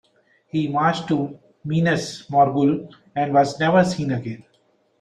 He marched to Minas Morgul and was never seen again.